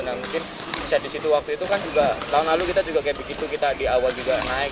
nah mungkin bisa di situ waktu itu kan juga tahun lalu kita juga kayak begitu kita di awal juga naik